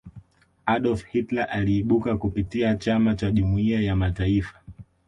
adolf hitler aliibuka kupitia chama cha jumuiya ya mataifa